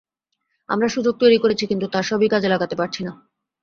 আমরা সুযোগ তৈরি করছি, কিন্তু তার সবই কাজে লাগাতে পারছি না।